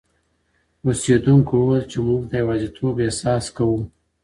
اوسېدونکو وویل چې موږ د یوازیتوب احساس کوو.